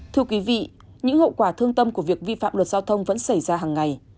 thưa quý vị những hậu quả thương tâm của việc vi phạm luật giao thông vẫn xảy ra hàng ngày